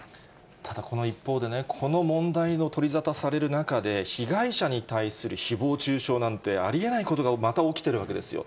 ただ、この一方で、この問題の取り沙汰される中で、被害者に対するひぼう中傷なんて、ありえないですが、また起きてるわけですよ。